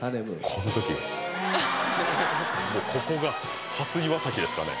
この時もうここが初岩崎ですかね